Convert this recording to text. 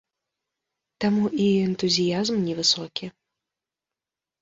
Таму і энтузіязм невысокі.